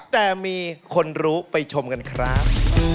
แต่มีคนรู้ไปชมกันครับ